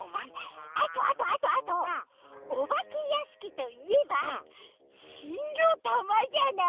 あとあとあとあとおばけやしきといえばひのたまじゃない？